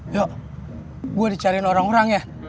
yok gue dicarin orang orang ya